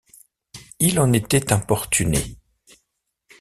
Il en était importuné.